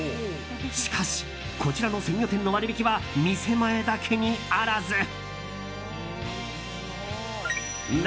しかし、こちらの鮮魚店の割引は店前だけにあらず。